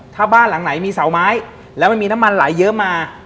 ถ้าบ้านหลังไหนมีเสาไม้แล้วมันมีน้ำมันไหลเยอะมา